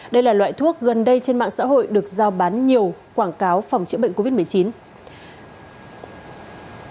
đây là loại thuốc gần đây trên mạng xã hội được giao bán nhiều quảng cáo phòng chữa bệnh covid một mươi chín